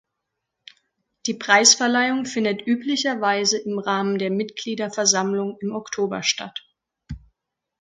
Die Preisverleihung findet üblicherweise im Rahmen der Mitgliederversammlung im Oktober statt.